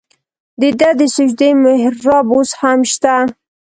د ده د سجدې محراب اوس هم شته.